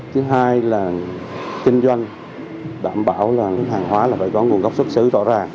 thứ hai là kinh doanh đảm bảo là cái hàng hóa là phải có nguồn gốc xuất xứ rõ ràng